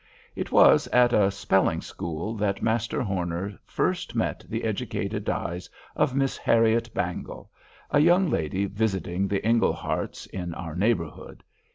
It was at a "spelling school" that Master Horner first met the educated eyes of Miss Harriet Bangle, a young lady visiting the Engleharts in our neighborhood.